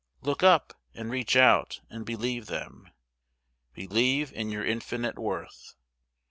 Look up, and reach out, and believe them Believe in your infinite worth.